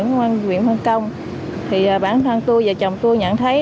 nguyễn văn công thì bản thân tôi và chồng tôi nhận thấy